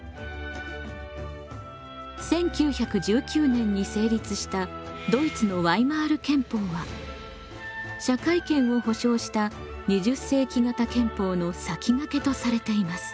１９１９年に成立したドイツのワイマール憲法は社会権を保障した２０世紀型憲法の先がけとされています。